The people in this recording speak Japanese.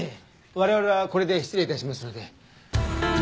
我々はこれで失礼致しますので。